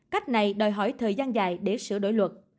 cách này đòi hỏi thời gian dài để sửa đổi luật